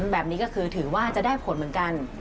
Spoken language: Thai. แบบนี้ก็คือถือว่าจะได้ผลเหมือนกัน